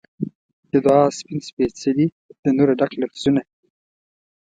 د دعا سپین سپیڅلي د نوره ډک لفظونه